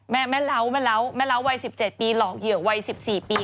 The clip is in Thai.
แม่แม่เล้าแม่เล้าแม่เล้าวัย๑๗ปีหลอกเหยื่อวัย๑๔ปี